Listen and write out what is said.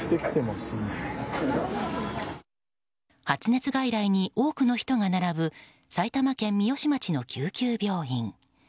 発熱外来に多くの人が並ぶ埼玉県三芳町の救急病院。